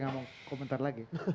nggak mau komentar lagi